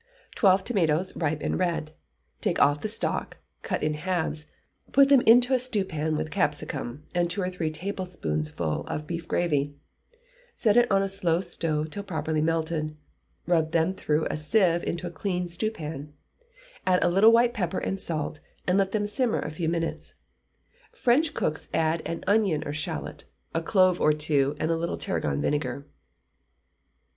Twelve tomatoes, ripe and red; take off the stalk; cut in halves; put them in a stewpan with a capsicum, and two or three tablespoonfuls of beef gravy; set on a slow stove till properly melted; rub them through a sieve into a clean stewpan; add a little white pepper and salt, and let them simmer a few minutes. French cooks add an onion or shalot, a clove or two, or a little tarragon vinegar.